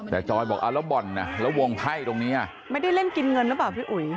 แต่จอยบอกเอาแล้วบ่อนน่ะแล้ววงไพ่ตรงนี้อ่ะไม่ได้เล่นกินเงินหรือเปล่าพี่อุ๋ย